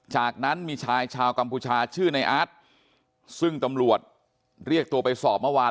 จากนั้นมีชายชาวกัมพูชาชื่อในอาร์ตซึ่งตำรวจเรียกตัวไปสอบเมื่อวาน